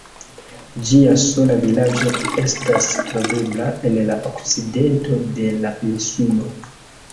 Ĝia sola vilaĝo estas trovebla en la okcidento de la insulo.